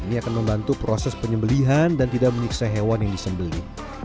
ini akan membantu proses penyembelihan dan tidak menyiksa hewan yang disembeli